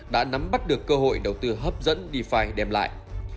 đã nắm bắt được cơ hội đầu tư hấp dẫn dfi đem lại